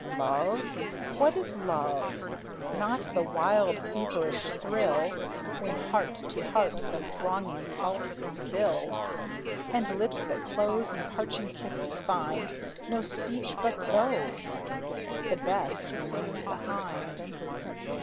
Love? What is love? Not the wild feverish thrill, When heart to heart the thronging pulses fill, And lips that close in parching kisses find No speech but those; the best remains behind.